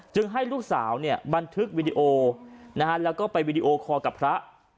ให้ลูกสาวเนี่ยบันทึกวิดีโอแล้วก็ไปวีดีโอคอร์กับพระ